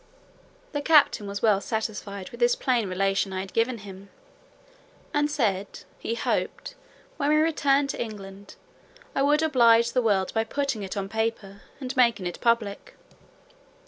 The captain was very well satisfied with this plain relation I had given him, and said, "he hoped, when we returned to England, I would oblige the world by putting it on paper, and making it public."